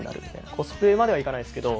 コスプレまではいかないんですけど。